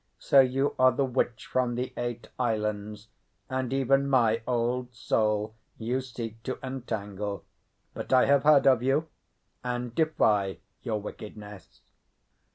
"So you are the witch from the eight islands, and even my old soul you seek to entangle. But I have heard of you, and defy your wickedness."